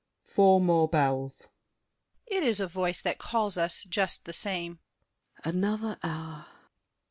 [Four more bells. DIDIER. It is a voice that calls us, just the same. SAVERNY. Another hour!